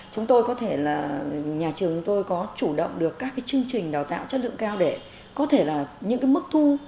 chúng tôi có thể là nhà trường của tôi có chủ động được các cái chương trình đào tạo chất lượng cao để có thể là những cái mức thu